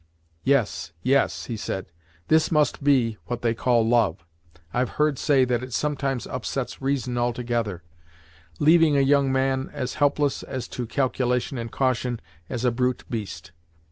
"Yes yes " he said "this must be what they call love! I've heard say that it sometimes upsets reason altogether, leaving a young man as helpless, as to calculation and caution, as a brute beast.